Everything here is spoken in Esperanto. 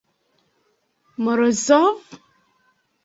Morozov?